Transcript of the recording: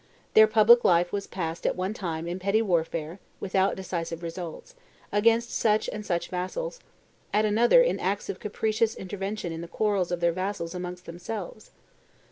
Their public life was passed at one time in petty warfare, without decisive results, against such and such vassals; at another in acts of capricious intervention in the quarrels of their vassals amongst themselves.